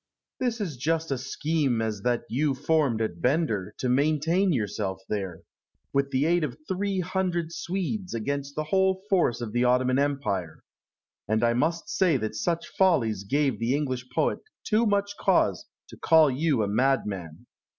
Alexander. This is just such a scheme as that you formed at Bender, to maintain yourself there, with the aid of three hundred Swedes, against the whole force of the Ottoman Empire. And I must say that such follies gave the English poet too much cause to call you a madman.